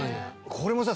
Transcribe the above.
これもさ